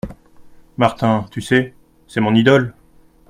Martin, tu sais ? c’est mon idole !…